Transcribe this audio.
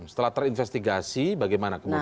setelah terinvestigasi bagaimana kemudian